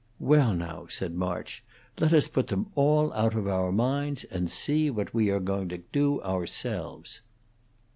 "Well, now," said Mrs. March, "let us put them all out of our minds and see what we are going to do ourselves."